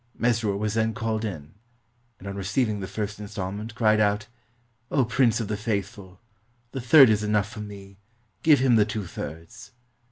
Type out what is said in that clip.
Mesrur was then called in, and on receiving the first installment cried out, "O Prince of the Faithful ! the third is enough for me, give him the two thirds!"